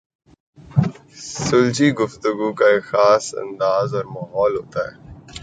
سلجھی گفتگو کا ایک خاص انداز اور ماحول ہوتا ہے۔